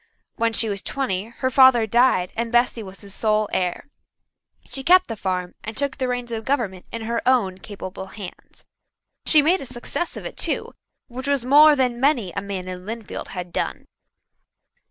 When she was twenty her father died and Bessy was his sole heir. She kept the farm and took the reins of government in her own capable hands. She made a success of it too, which was more than many a man in Lynnfield had done.